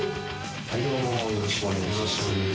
はいどうもよろしくお願いします。